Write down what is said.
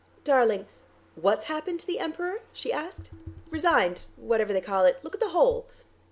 "Darling, what's happened to the Emperor?" she asked. "Resigned, whatever they call it. Look at the hole."